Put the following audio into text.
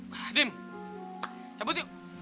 wah diem cabut yuk